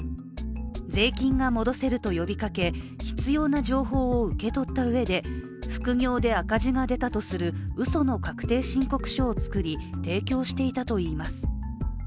税金が戻せると呼びかけ、必要な情報を受け取ったうえで副業で赤字が出たとするうその確定申告書をつくり提供していたといいます。